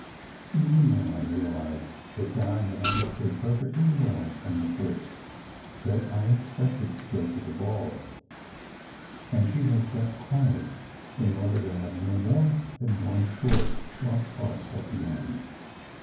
Even then, I realized that Di had understood perfectly well from the first that I expected to go to the ball, and she had kept quiet in order to have no more than one short, sharp fuss at the end.